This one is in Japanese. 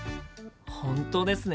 本当ですね。